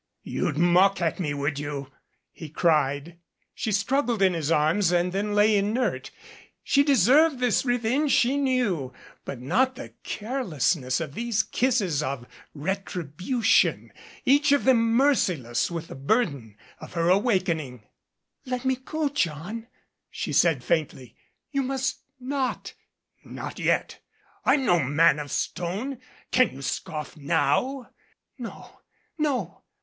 " You'd mock at me, would you?" he cried. She struggled in his arms and then lay inert. She de served this revenge she knew, but not the carelessness of these kisses of retribution, each of them merciless with the burden of her awakening. "Let me go, John," she said faintly. "You must not " "Not yet. I'm no man of stone. Can you scoff now?" "No, no.